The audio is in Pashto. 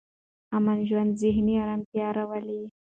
امن ژوند ذهني ارامتیا راولي.